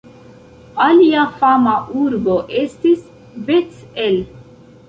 Alia fama urbo estis Bet-El.